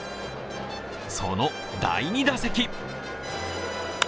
その第２打席。